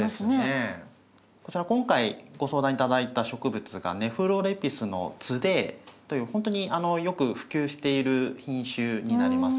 今回ご相談頂いた植物がネフロレピスのツデーというほんとによく普及している品種になります。